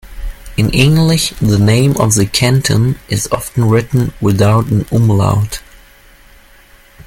In English the name of the canton is often written without an umlaut.